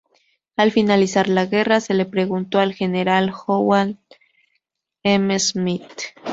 Al finalizar la guerra se le preguntó al General Holland M. Smith.